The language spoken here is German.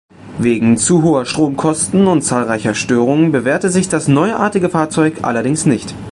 Wegen zu hoher Stromkosten und zahlreicher Störungen bewährte sich das neuartige Fahrzeug allerdings nicht.